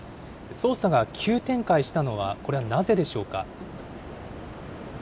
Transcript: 捜査が急展開したのは、これはなぜでしょうか。